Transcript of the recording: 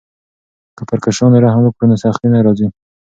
که پر کشرانو رحم وکړو نو سختي نه راځي.